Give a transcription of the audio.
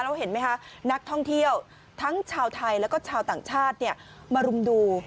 แล้วเห็นไหมคะนักท่องเที่ยวทั้งชาวไทยแล้วก็ชาวต่างชาติมารุมดู